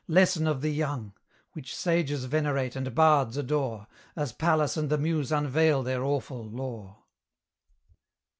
lesson of the young! Which sages venerate and bards adore, As Pallas and the Muse unveil their awful lore.